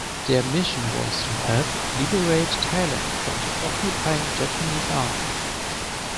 Their mission was to help liberate Thailand from the occupying Japanese Army.